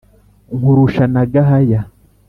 nkurusha na gahaya,